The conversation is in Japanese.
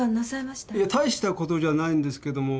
いやたいしたことじゃないんですけども。